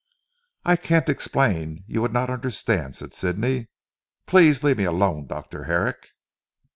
"I can't explain; you would not understand," said Sidney. "Please leave me alone, Dr. Herrick."